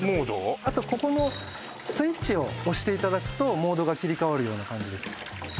あとここのスイッチを押していただくとモードが切り替わるような感じです